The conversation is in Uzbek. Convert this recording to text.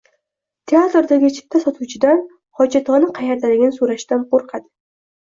Teatrdagi chipta sotuvchidan xojatxona qayerdaligini so‘rashdan qo‘rqadi.